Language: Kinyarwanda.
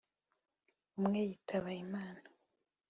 umwe yitaba Imana